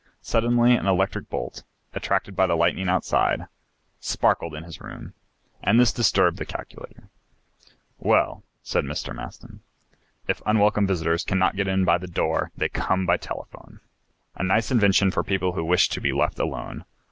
Suddenly an electric bolt, attracted by the lightning outside, sparkled in his room, and this disturbed the calculator. "Well," said Mr. Maston, "if unwelcome visitors cannot get in by the door they come by telephone. A nice invention for people who wish to be left alone.